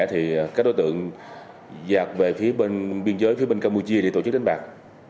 thì các đối tượng giạc về phía bên biên giới phía bên campuchia để tổ chức đánh bạc